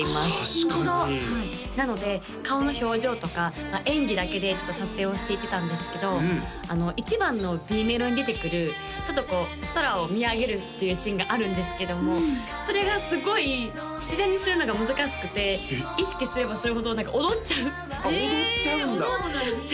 確かになので顔の表情とか演技だけで撮影をしていってたんですけど１番のＢメロに出てくるちょっとこう空を見上げるっていうシーンがあるんですけどもそれがすごい自然にするのが難しくて意識すればするほど踊っちゃう踊っちゃうんだえ踊っちゃうんだ